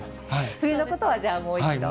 冬のことはじゃあ、もう一度。